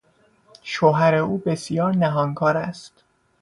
شوهر او بسیار نهانکار است.